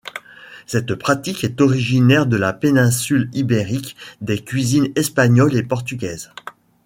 Cette pratique est originaire de la péninsule ibérique, des cuisines espagnoles et portugaises.